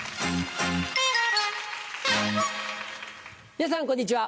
皆さんこんにちは。